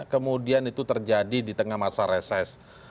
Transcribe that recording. kemudian itu terjadi di tengah masa reses